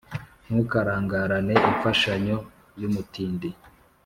ntukarangarane imfashanyo y’umutindi